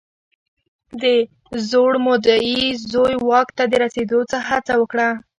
د زوړ مدعي زوی واک ته د رسېدو هڅه وکړه.